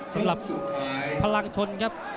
สำหรับพลังชนครับ